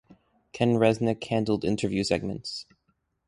Ken Resnick handled interview segments.